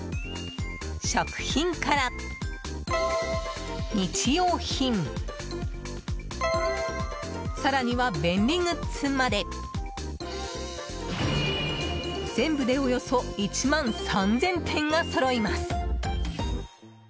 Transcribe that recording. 食品から日用品更には便利グッズまで全部でおよそ１万３０００点がそろいます。